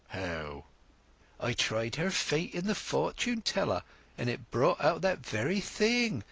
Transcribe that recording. "How?" "I tried her fate in the Fortune Teller, and it brought out that very thing!...